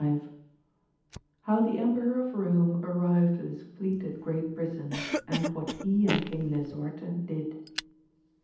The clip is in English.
XXV.— How the Emperor of Borne arrived with his fleet at Great Britain, and what he and Eling Lisuarte did.